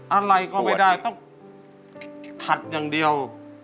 อะไรก็ไม่ได้ต้องขัดอย่างเดียว